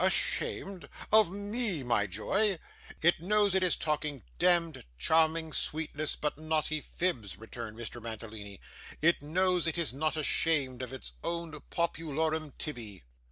'Ashamed of ME, my joy? It knows it is talking demd charming sweetness, but naughty fibs,' returned Mr. Mantalini. 'It knows it is not ashamed of its own popolorum tibby.